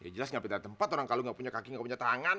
ya jelas gak pindah tempat orang kalau gak punya kaki gak punya tangan